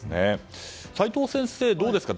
齋藤先生、どうですか？